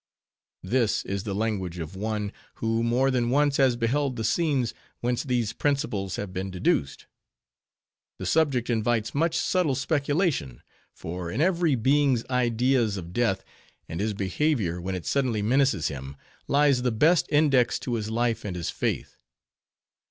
This is the language of one, who more than once has beheld the scenes, whence these principles have been deduced. The subject invites much subtle speculation; for in every being's ideas of death, and his behavior when it suddenly menaces him, lies the best index to his life and his faith.